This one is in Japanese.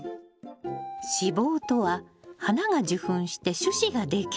子房とは花が受粉して種子ができる部分なの。